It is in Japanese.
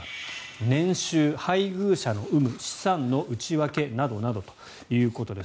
年収、配偶者の有無資産の内訳などなどということです。